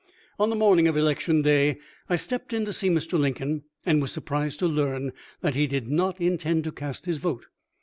On the morning of election day I stepped in to see Mr. Lincoln, and was surprised to learn that he did not intend to cast his vote.